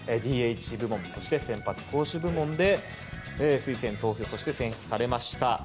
ＤＨ部門、そして先発投手部門で推薦投票そして選出されました。